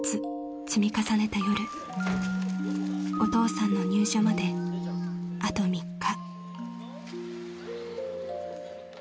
［お父さんの入所まであと３日］